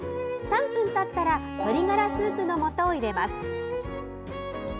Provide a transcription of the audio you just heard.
３分たったら鶏がらスープのもとを入れます。